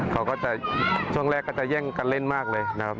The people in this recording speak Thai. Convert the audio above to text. เขาก็จะช่วงแรกก็จะแย่งกันเล่นมากเลยนะครับ